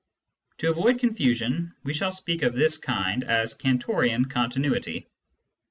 To avoid confusion, we shall speak of this kind as " Cantorian continuity."